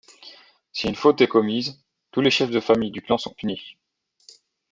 Si une faute est commise, tous les chefs de famille du clan sont punis.